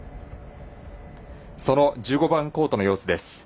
その１５番コートの様子です。